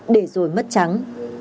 để rồi mất trắng